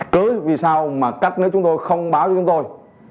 tới vì sao mà các nước chúng tôi không báo cho chúng tôi